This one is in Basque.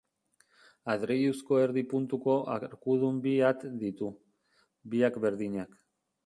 Adreiluzko erdi-puntuko arkudun bi at ditu, biak berdinak.